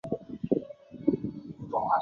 该建筑有一个开放的入口楼梯间。